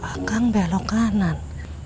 pak kang belok kanan